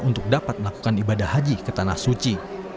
untuk dapat melakukan ibadah haji ke tanah suci